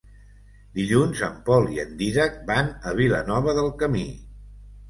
Dilluns en Pol i en Dídac van a Vilanova del Camí.